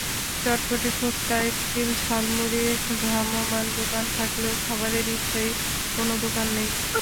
চটপটি-ফুচকা, ice cream, ঝালমুড়ির ভ্রাম্যমাণ দোকান থাকলেও খাবারের স্থায়ী কোনো দোকান নেই।